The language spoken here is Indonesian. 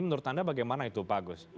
menurut anda bagaimana itu pak agus